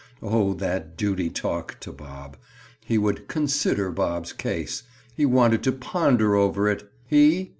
Oh, that "duty talk" to Bob! He would "consider" Bob's case!—He wanted to ponder over it—he?